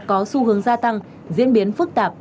có xu hướng gia tăng diễn biến phức tạp